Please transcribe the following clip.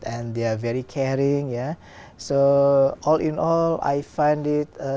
anh đã ở việt nam trong hai năm